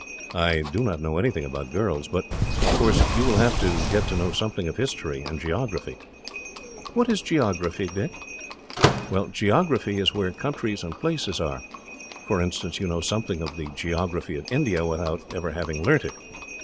I do not know anything about girls. But, of course, you will have to get to know something of history and geography." "What is geography, Dick?" "Well, geography is where countries and places are. For instance, you know something of the geography of India, without ever having learnt it.